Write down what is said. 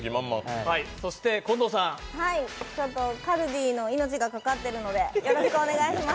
カルディの命がかかってるのでよろしくお願いします。